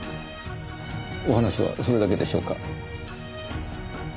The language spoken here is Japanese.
お話はそれだけでしょうか？